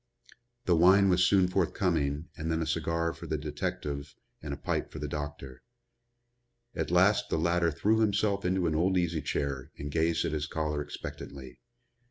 The wine was soon forthcoming and then a cigar for the detective and a pipe for the doctor. At last the latter threw himself into an old easy chair and gazed at his caller expectantly.